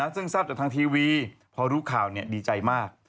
ซึ่งทราบจากทางทีวีพอรู้ข่าวดีใจมาก